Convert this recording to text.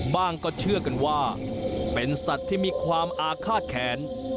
ก็เชื่อกันว่าเป็นสัตว์ที่มีความอาฆาตแขน